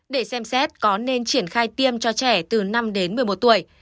để xem xét có nên triển khai tiêm cho trẻ từ năm đến một mươi một tuổi